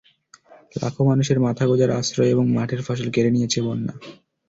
লাখো মানুষের মাথা গোঁজার আশ্রয় এবং মাঠের ফসল কেড়ে নিয়েছে বন্যা।